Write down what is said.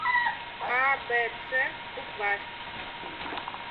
Абэцэ — букварь.